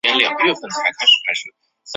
赵郡治所位于今河北赵县。